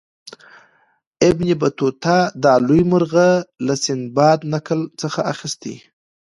ابن بطوطه دا لوی مرغه له سندباد نکل څخه اخیستی.